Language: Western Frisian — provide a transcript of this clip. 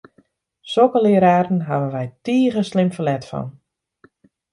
Sokke leararen hawwe wy tige slim ferlet fan!